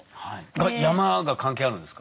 山が関係あるんですか？